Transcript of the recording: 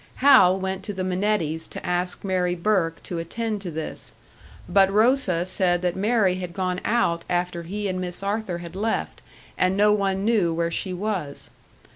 Hal went to the Minettis to ask Mary Burke to attend to this; but Rosa said that Mary had gone out after he and Miss Arthur had left, and no one knew where she was.